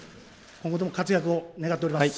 今後とも活躍を願っております。